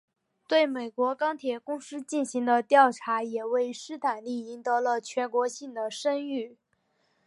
对美国钢铁公司进行的调查也为斯坦利赢得了全国性的声誉。